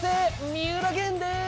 三浦玄です！